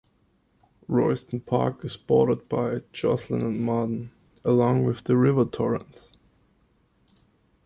Royston Park is bordered by Joslin and Marden, along with the River Torrens.